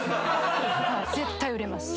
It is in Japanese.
絶対売れます。